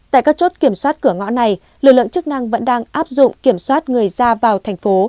tại các chốt kiểm soát cửa ngõ này lực lượng chức năng vẫn đang áp dụng kiểm soát người ra vào thành phố